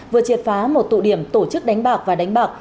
vừa triệt phá một tụ điểm tổ chức đánh bạc và đánh bạc